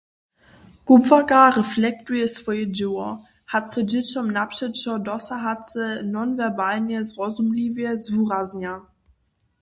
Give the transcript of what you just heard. Kubłarka reflektuje swoje dźěło – hač so dźěćom napřećo dosahace nonwerbalnje zrozumliwje zwuraznja.